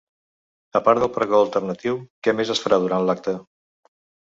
A part del pregó alternatiu, què més es farà durant lacte?